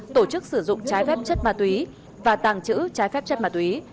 tổ chức sử dụng trái phép chất ma túy và tàng trữ trái phép chất ma túy